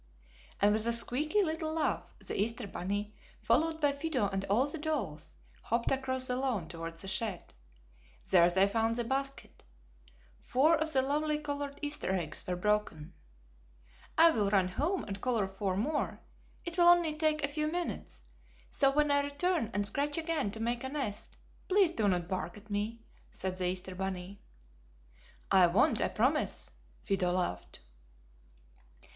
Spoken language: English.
And with a squeeky little laugh the Easter bunny, followed by Fido and all the dolls, hopped across the lawn towards the shed. There they found the basket. Four of the lovely colored Easter eggs were broken. "I will run home and color four more. It will only take a few minutes, so when I return and scratch again to make a nest, please do not bark at me!" said the Easter bunny. [Illustration: The Easter bunny] "I won't! I promise!" Fido laughed.